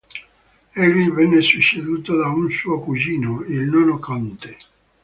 Egli venne succeduto da un suo cugino, il nono conte.